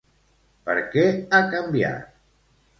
Per què ha canviat?